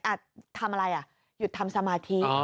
ทำอะไรอ่ะหยุดทำสมาธิ